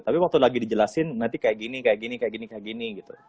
tapi waktu lagi dijelasin nanti kayak gini kayak gini kayak gini kayak gini gitu